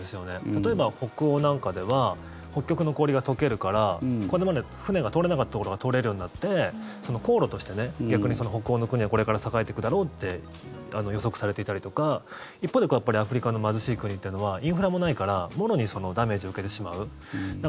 例えば、北欧なんかでは北極の氷が解けるからこれまで船が通れなかったところが通れるようになって航路として逆に北欧の国はこれから栄えていくだろうと予測されていたり一方でアフリカの貧しい国というのはインフラもないからもろにダメージを受けてしまう。